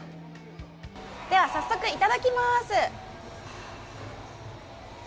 では早速いただきます。